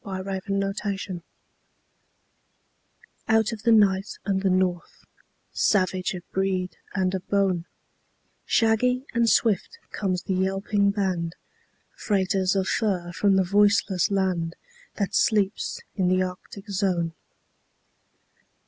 THE TRAIN DOGS Out of the night and the north; Savage of breed and of bone, Shaggy and swift comes the yelping band, Freighters of fur from the voiceless land That sleeps in the Arctic zone.